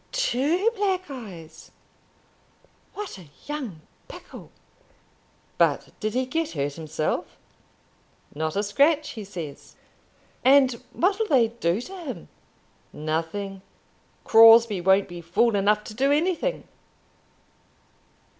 "Two black eyes! What a young pickle! But did he get hurt himself?" "Not a scratch, he says." "And what'll they do to him?" "Nothing. Crosbie won't be fool enough to do anything.